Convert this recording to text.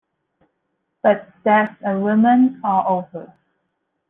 But that's a woman all over.